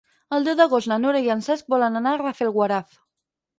El deu d'agost na Nora i en Cesc volen anar a Rafelguaraf.